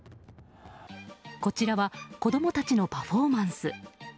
こちらは子供たちのパフォーマンス。